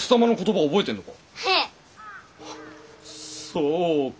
そうか。